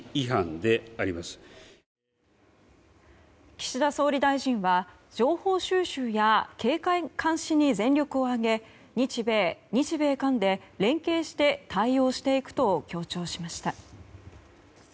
岸田総理大臣は情報収集や警戒監視に全力を挙げ日米・日米韓で連携して対応していくと強調しました。